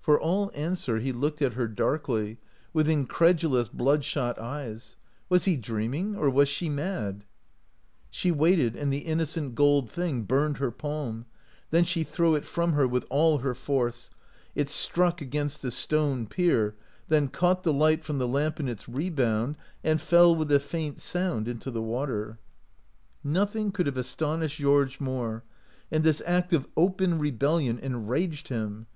For all answer he looked at her darkly, with incredulous bloodshot eyes. Was he dreaming, or was she mad? She waited, and the innocent gold thing burned her palm; then she threw it from her with all her force. It struck against the stone pier, then caught the light from the lamp in its rebound, and fell with a faint sound into the water. 10 145 OUT OF BOHEMIA Nothing could have astonished Georges more, and this act of open rebellion en raged him.